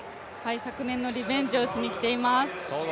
昨年のリベンジをしに来ています。